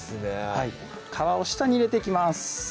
はい皮を下に入れていきます